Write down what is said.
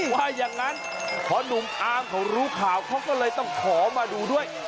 ว่าอย่างนั้นพอหนุ่มอาร์มเขารู้ข่าวเขาก็เลยต้องขอมาดูด้วย